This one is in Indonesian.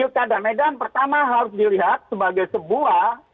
yogyakarta dan medan pertama harus dilihat sebagai sebuah